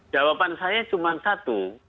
jawaban saya cuma satu